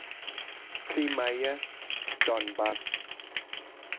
Crimeia, Donbass